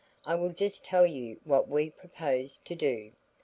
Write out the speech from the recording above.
"I will just tell you what we propose to do.